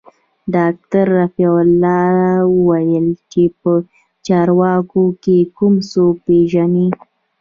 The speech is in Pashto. ډاکتر رفيع الله وويل چې په چارواکو کښې کوم څوک پېژني.